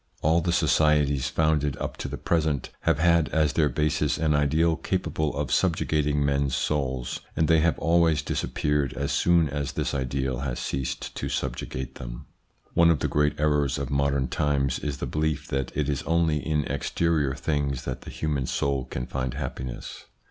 All the societies founded up to the present have had as their basis an ideal capable of subjugating men's souls, and they have always disappeared as soon as this ideal has ceased to subjugate them. One of the great errors of modern times is the belief that it is only in exterior things that the human soul can find happiness.